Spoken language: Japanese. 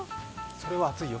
それは熱いよ。